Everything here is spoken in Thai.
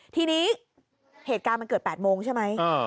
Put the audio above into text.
ทีนี้เหตุการณ์มันเกิด๘โมงใช่ไหม